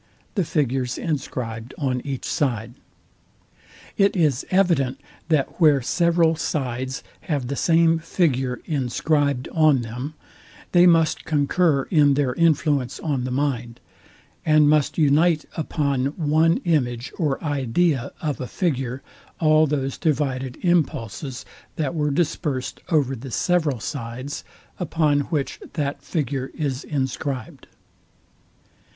the figures inscribed on each side. It is evident that where several sides have the same figure inscribe on them, they must concur in their influence on the mind, and must unite upon one image or idea of a figure all those divided impulses, that were dispersed over the several sides, upon which that figure is inscribed.